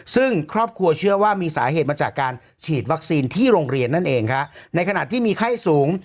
ซึ่งครอบครัวเชื่อว่ามีสาเหตุมาจากการฉีดวัคซีนที่โรงเรียนนั่นเองค่ะในขณะที่มีไข้สูง